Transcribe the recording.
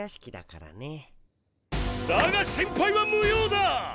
だが心配は無用だ！